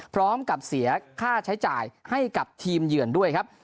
พร้อมกับเสียค่าใช้จ่ายให้กับทีมเหยื่อนด้วยครับ